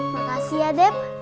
makasih ya dep